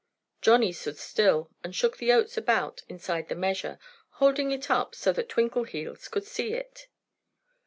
Johnnie stood still and shook the oats about inside the measure, holding it up so that Twinkleheels could see it.